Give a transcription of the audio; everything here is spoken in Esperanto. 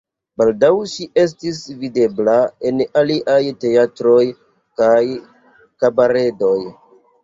Baldaŭ ŝi estis videbla en aliaj teatroj kaj kabaredoj.